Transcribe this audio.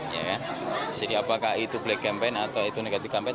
jadi apakah itu black campaign atau itu negatif kampanye